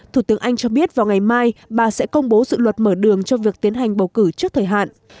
thủ tướng anh cho biết vào ngày mai bà sẽ công bố dự luật mở đường cho việc tiến hành bầu cử trước thời hạn